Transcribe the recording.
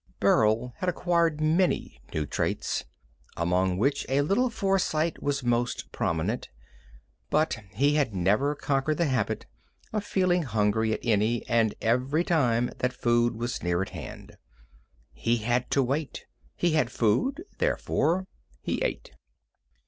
Burl had acquired many new traits, among which a little foresight was most prominent, but he had never conquered the habit of feeling hungry at any and every time that food was near at hand. He had to wait. He had food. Therefore, he ate.